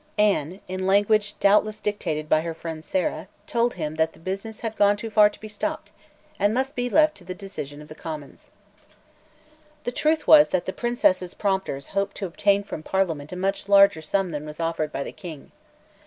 Anne, in language doubtless dictated by her friend Sarah, told him that the business had gone too far to be stopped, and must be left to the decision of the Commons, The truth was that the Princess's prompters hoped to obtain from Parliament a much larger sum than was offered by the King.